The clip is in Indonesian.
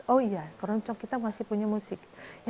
oh iya keroncong kita masih punya musik